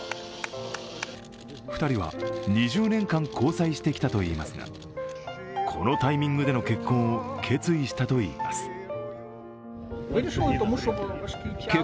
２人は２０年間、交際してきたといいますが、このタイミングでの結婚を決意したといいます。